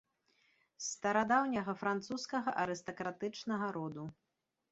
З старадаўняга французскага арыстакратычнага роду.